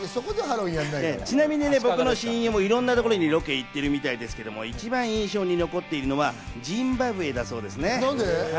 ちなみに僕の親友もいろんなところにロケに行ってるみたいですけど、一番印象に残っているのはジンバブエだそうです。